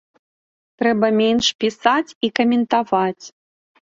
Трэба менш пісаць і каментаваць.